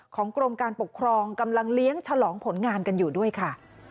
กรมการปกครองกำลังเลี้ยงฉลองผลงานกันอยู่ด้วยค่ะ